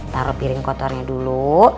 taro piring kotor nya dulu